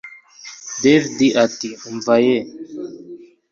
david ati umva yewe